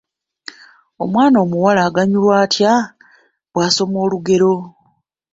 Omwana omuwala aganyulwa atya bw’asoma olugero?